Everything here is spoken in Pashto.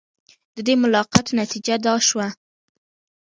د دې ملاقات نتیجه دا شوه.